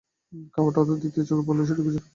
খাবারটা অর্ডার দিতেই চোখে পড়ল সে ঢুকছে।